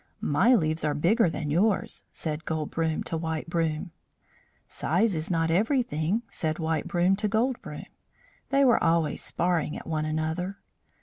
"My leaves are bigger than yours," said Gold Broom to White Broom. "Size is not everything," said White Broom to Gold Broom; they were always sparring at one another.